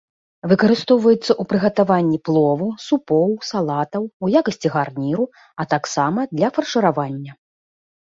Выкарыстоўваецца ў прыгатаванні плову, супоў, салатаў, у якасці гарніру, а таксама для фаршыравання.